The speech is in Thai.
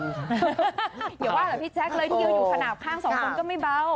เดี๋ยวว่าแหละพี่แจ๊คเลยที่อยู่ขนาดข้างสองคนก็ไม่เบา